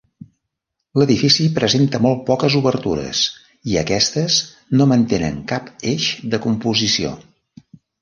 L'edifici presenta molt poques obertures, i aquestes no mantenen cap eix de composició.